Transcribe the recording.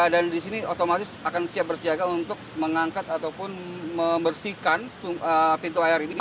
dan di sini otomatis akan siap bersiaga untuk mengangkat ataupun membersihkan pintu air ini